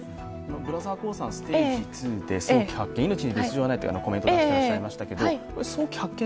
ブラザー・コーンさんステージ２で、命に別状はないってコメントで出してらっしゃいましたが早期発見